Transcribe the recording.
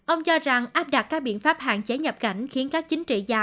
ông cho rằng áp đặt các biện pháp hạn chế nhập cảnh khiến các chính trị gia